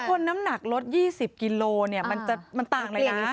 คนน้ำหนักลด๒๐กิโลกรัมมันจะต่างอะไรนะ